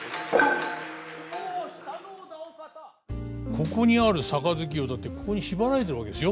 ここにある盃をだって縛られてるわけですよ。